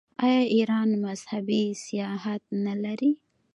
آیا ایران مذهبي سیاحت نلري؟